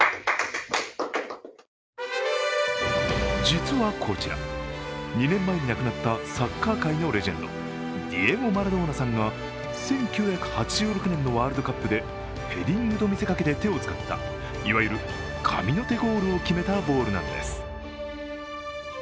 実はこちら、２年前に亡くなったサッカー界のレジェンド、ディエゴ・マラドーナさんが１９８６年のワールドカップでヘディングと見せかけて手を使ったいわゆる神の手ゴールを決めたボールなんです。